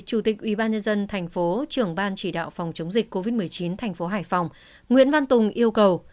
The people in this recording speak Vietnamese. chủ tịch ubnd tp trưởng ban chỉ đạo phòng chống dịch covid một mươi chín thành phố hải phòng nguyễn văn tùng yêu cầu